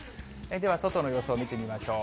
では外の様子を見てみましょう。